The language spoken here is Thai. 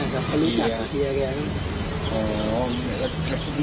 ใช่ครับเขารู้จักเพียร์แกนี่